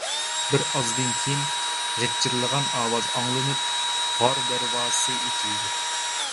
بىرئازدىن كېيىن غىچىرلىغان ئاۋاز ئاڭلىنىپ، غار دەرۋازىسى ئېچىلدى.